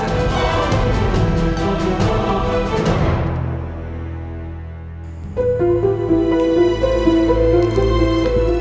yang terima kasih